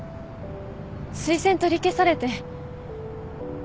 推薦取り消されて。